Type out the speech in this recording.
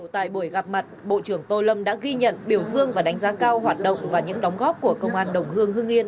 tại buổi gặp mặt bộ trưởng tô lâm đã ghi nhận biểu dương và đánh giá cao hoạt động và những đóng góp của công an đồng hương hương yên